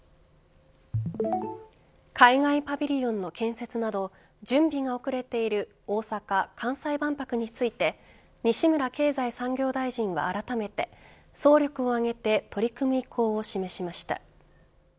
海外パビリオンの建設など準備が遅れている大阪・関西万博について西村経済産業大臣はあらためて総力を挙げて取り組む意向を示しました。